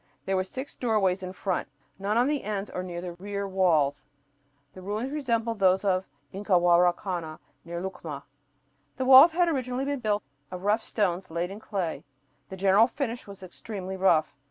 There were six doorways in front, none on the ends or in the rear walls. The ruins resembled those of Incahuaracana, near Lucma. The walls had originally been built of rough stones laid in clay. The general finish was extremely rough.